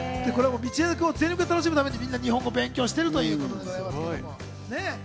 道枝君を全力で楽しむために皆さん日本語を勉強してるということです。